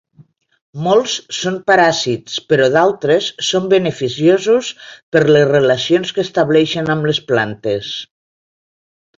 Molts són paràsits però d'altres són beneficiosos per les relacions que estableixen amb les plantes.